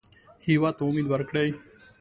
هېواد ته امید ورکړئ